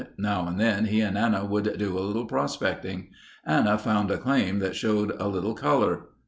"Now and then he and Anna would do a little prospecting. Anna found a claim that showed a little color.